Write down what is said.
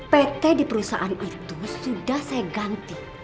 pt di perusahaan itu sudah saya ganti